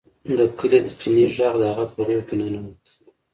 د کلي د چینې غږ د هغه په روح کې ننوت